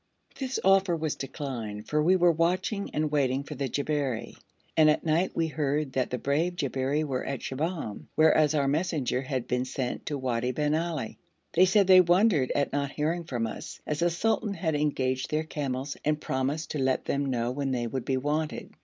This offer was declined, for we were watching and waiting for the Jabberi; and at night we heard that the brave Jabberi were at Shibahm, whereas our messenger had been sent to Wadi bin Ali. They said they wondered at not hearing from us, as the sultan had engaged their camels and promised to let them know when they would be wanted.